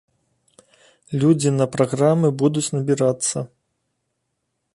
Людзі на праграмы будуць набірацца.